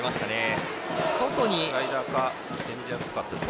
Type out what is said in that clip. スライダーかチェンジアップという。